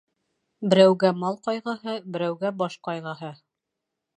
Берәүгә мал ҡайғыһы, берәүгә баш ҡайғыһы.